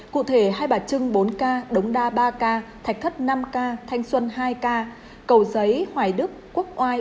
cụ thể hai bà trưng bốn k đống đa ba ca thạch thất năm ca thanh xuân hai ca cầu giấy hoài đức quốc oai